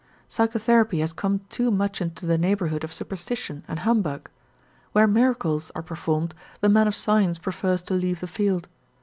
Psychotherapy has come too much into the neighborhood of superstition and humbug. Where miracles are performed, the man of science prefers to leave the field.